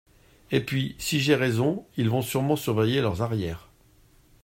Et puis si j’ai raison ils vont sûrement surveiller leurs arrières.